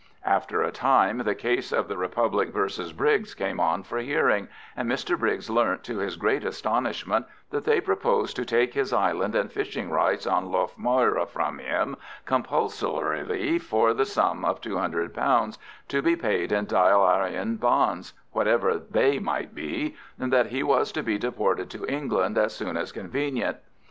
After a time the case of the Republic v. Briggs came on for hearing, and Mr Briggs learnt, to his great astonishment, that they proposed to take his island and fishing rights on Lough Moyra from him compulsorily for the sum of £200, to be paid in Dail Eireann Bonds, whatever they might be, and that he was to be deported to England as soon as convenient.